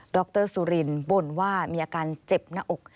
รสุรินบ่นว่ามีอาการเจ็บหน้าอก